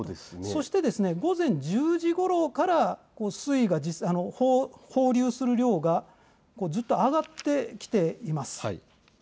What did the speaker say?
そして、午前１０時ごろから放流する量がずっと上がってきています。